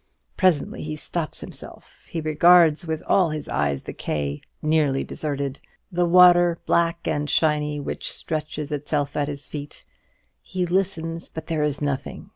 Presently he stops himself. He regards with all his eyes the quay, nearly desert; the water, black and shiny, which stretches itself at his feet. He listens, but there is nothing.